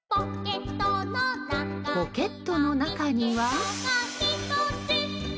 ポケットの中には？